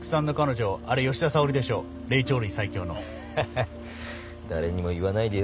ハハッ誰にも言わないでよ。